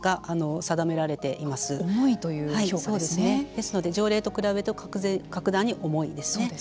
ですので条例と比べると格段に重いですね。